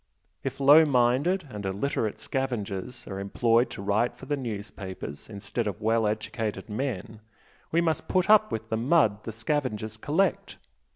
If low minded and illiterate scavengers are employed to write for the newspapers instead of well educated men, we must put up with the mud the scavengers collect.